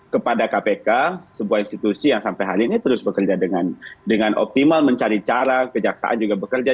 kepada kpk sebuah institusi yang sampai hari ini terus bekerja dengan optimal mencari cara kejaksaan juga bekerja